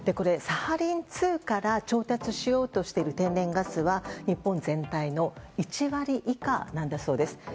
サハリン２から調達しようとしている天然ガスは日本全体の１割以下なんだそうです。